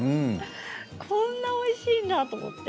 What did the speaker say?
こんなにおいしいんだと思って。